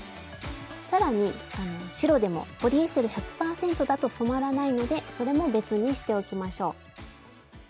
さらに白でもポリエステル１００％だと染まらないのでそれも別にしておきましょう。